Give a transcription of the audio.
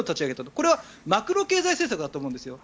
これはマクロ経済政策だと思うんですよ。